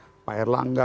kenapa pak erlangga